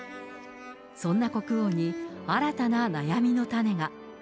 そんな国王に新たな悩みの種が。